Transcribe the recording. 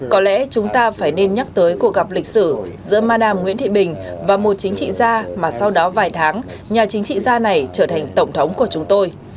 có lẽ chúng ta phải nên nhắc tới cuộc gặp lịch sử giữa madam nguyễn thị bình và một chính trị gia mà sau đó vài tháng nhà chính trị gia này trở thành tổng thống của chúng tôi